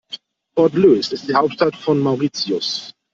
Port Louis ist die Hauptstadt von Mauritius.